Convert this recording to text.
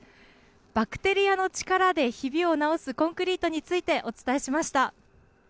バクテリアの力でひびを直すコンクリートについてお伝えしました。